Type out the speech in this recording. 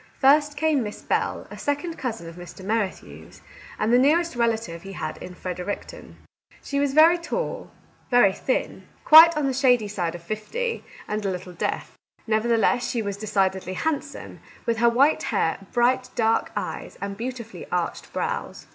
First came Miss Bell, a second cousin of Mr. Mer rithew's, and the nearest relative he had in Fredericton. She was very tall, very thin, 94 Our Little Canadian Cousin quite on the shady side of fifty, and a little deaf. Nevertheless, she was decidedly hand some, with her white hair, bright, dark eyes, and beautifully arched brows.